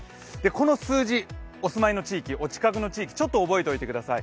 この数字、お住まいの地域、お近くの地域、ちょっと覚えておいてください。